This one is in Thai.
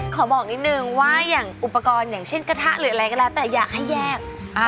ขอบอกนิดนึงว่าอย่างอุปกรณ์อย่างเช่นกระทะหรืออะไรก็แล้วแต่อยากให้แยก